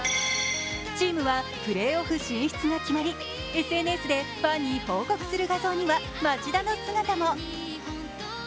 チームはプレーオフ進出が決まりＳＮＳでファンに報告する画像には町田の姿も。